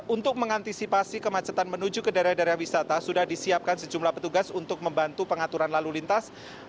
untuk mengantisipasi kemacetan menuju ke daerah daerah wisata sudah disiapkan sejumlah petugas untuk membantu pengaturan lalu lintas